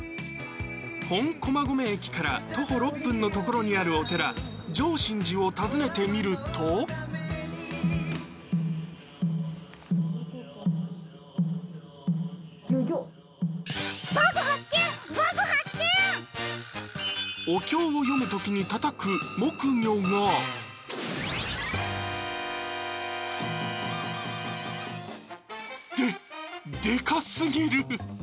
本駒込駅から徒歩６分の所にあるお寺浄心寺を訪ねてみるとお経を読むときにたたく木魚がデデカすぎる！